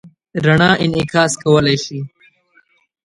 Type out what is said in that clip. رڼا انعکاس کولی شي.